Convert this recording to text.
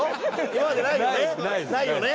今までないよね？